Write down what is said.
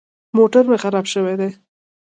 موټر مې خراب شوی دی.